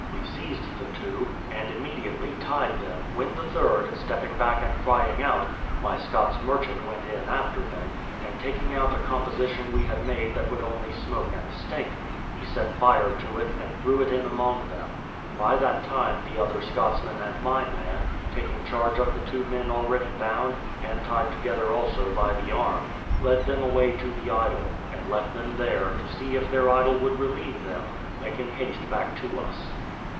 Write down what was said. We seized the two, and immediately tied them, when the third, stepping back and crying out, my Scots merchant went in after them, and taking out a composition we had made that would only smoke and stink, he set fire to it, and threw it in among them. By that time the other Scotsman and my man, taking charge of the two men already bound, and tied together also by the arm, led them away to the idol, and left them there, to see if their idol would relieve them, making haste back to us.